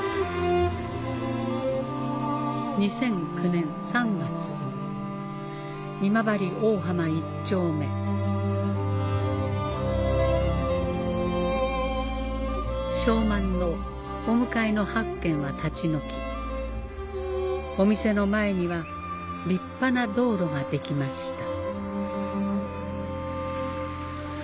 ２００９年３月今治・大浜一丁目昌万のお向かいの８軒は立ち退きお店の前には立派な道路が出来ました